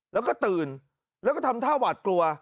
แล้วก็ตื่นแล้วก็ทำท่าหวาดกลัว